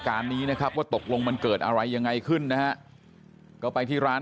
การนี้นะครับว่าตกลงมันเกิดอะไรยังไงขึ้นนะฮะก็ไปที่ร้าน